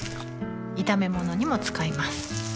炒め物にも使います